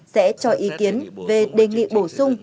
sẽ cho ý kiến về đề nghị bổ sung